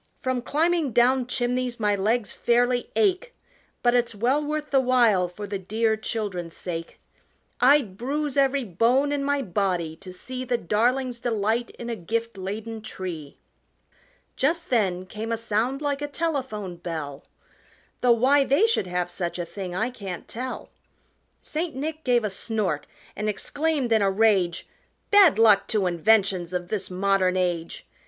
From climbing down chimneys my legs fairly ache, But it's well worth the while for the dear children's sake. I'd bruise every bone in my body to see The darlings' delight in a gift laden tree!" Just then came a sound like a telephone bell Though why they should have such a thing I can't tell St. Nick gave a snort and exclaimed in a rage, "Bad luck to inventions of this modern age!"